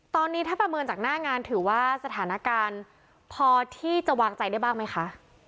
ตอนนี้ถ้าประเมินจากหน้างานถือว่าสถานการณ์พอที่จะวางใจได้บ้างไหมคะ